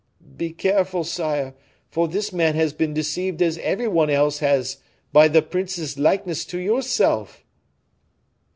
"Be careful, sire, for this man has been deceived as every one else has by the prince's likeness to yourself."